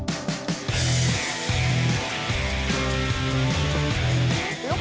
ขอโทษนะค่ะ